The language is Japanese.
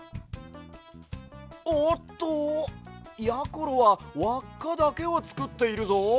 おっとやころはわっかだけをつくっているぞ！